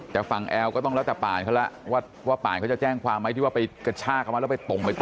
แต่ฝั่งเอวก็ต้องแล้วจากปานแหวะความที่ไปตำกล้าล่อยเค้านะ